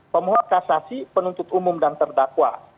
pemohon kasasi penuntut umum dan terdakwa